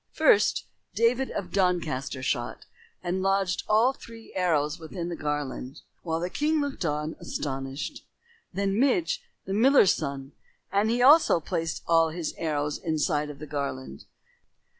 First, David of Doncaster shot, and lodged all three arrows within the garland, while the king looked on, astonished. Then Midge, the miller's son, and he also placed all his arrows inside of the garland.